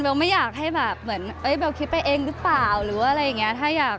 เบลไม่อยากให้แบบเบลคิดไปเองหรือเปล่าหรืออะไรอย่างนี้